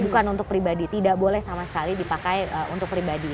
bukan untuk pribadi tidak boleh sama sekali dipakai untuk pribadi